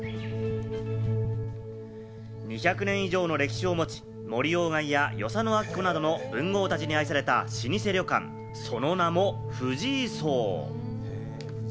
２００年以上の歴史を持ち、森鴎外や与謝野晶子などの文豪たちに愛された老舗旅館、その名も藤井荘。